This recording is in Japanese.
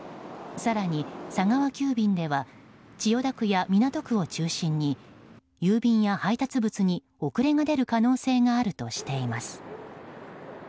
更に、佐川急便では千代田区や港区を中心に郵便や配達物に遅れが出る可能性があるとしています。